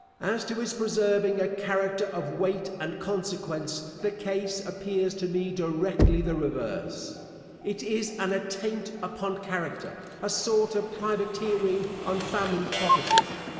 As to its preserving a character of weight and consequence, the case appears to me directly the reverse. It is an attaint upon character; a sort of privateering on family property.